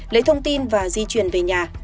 lấy thông tin và di chuyển về nhà